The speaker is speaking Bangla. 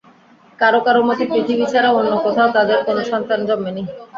কারো কারো মতে, পৃথিবী ছাড়া অন্য কোথাও তাঁদের কোন সন্তান জন্মেনি।